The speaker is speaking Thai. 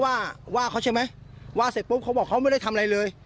ว่าว่าเขาใช่ไหมว่าเสร็จปุ๊บเขาบอกเขาไม่ได้ทำอะไรเลย